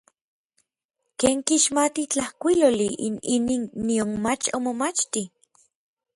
¿Ken kixmati tlajkuiloli n inin, nionmach omomachtij?